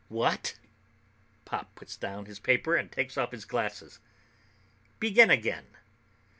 "Wha a a t?" Pop puts down his paper and takes off his glasses. "Begin again."